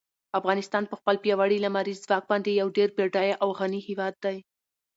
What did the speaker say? افغانستان په خپل پیاوړي لمریز ځواک باندې یو ډېر بډای او غني هېواد دی.